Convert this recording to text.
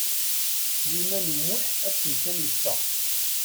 Sliman U Muḥ akken kan yeffeɣ.